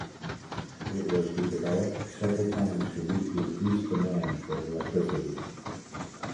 It was redeveloped several times to meet the increased demand for electricity.